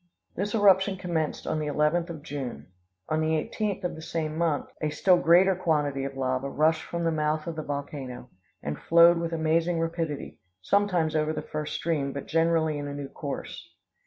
"This eruption commenced on the 11th of June. On the 18th of the same month, a still greater quantity of lava rushed from the mouth of the volcano, and flowed with amazing rapidity, sometimes over the first stream, but generally in a new course.